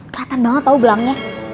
kelatan banget tau gelangnya